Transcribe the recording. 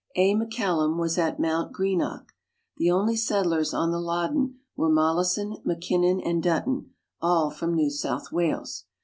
A. McCallum was at Mount Greenock. The only settlers on the Loddon were Mollison, Mackinnon, and Dutton all from New South Wales.